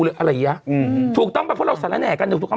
อะไรเนี้ยถูกต้องพี่พ่อสนละแหน่กันหรือถูกหรอก